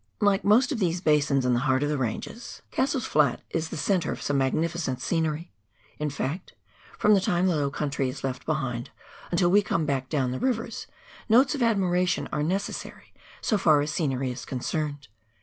Like most of these basins in the heart of the ranges, Cas ELiEANGARUA RIVER. 187 sell's Flat is tlie centre of some magnificent scenery; in fact, from the time the low country is left behind until we come back down the rivers, notes of admiration are necessary so far as scenery is concerned.